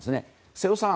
瀬尾さん